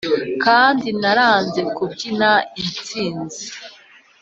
kandi naranze kubyina intsinzi